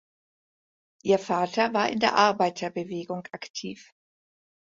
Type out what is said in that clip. Ihr Vater war in der Arbeiterbewegung aktiv.